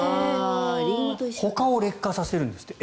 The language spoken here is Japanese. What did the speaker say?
ほかを劣化させるんですって。